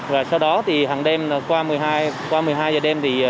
và sau đó thì hằng đêm qua một mươi hai h đêm